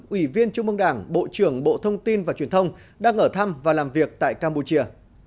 ủy viên trung mương đảng bộ trưởng bộ thông tin và truyền thông đang ở thăm và làm việc tại campuchia